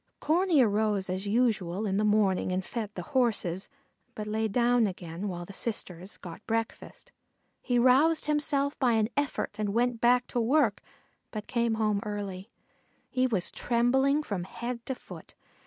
Corney arose as usual in the morning and fed the horses, but lay down again while the sisters got breakfast. He roused himself by an effort and went back to work, but came home early. He was trembling from head to foot.